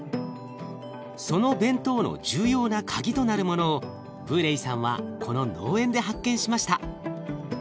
その弁当の重要なカギとなるものをブーレイさんはこの農園で発見しました。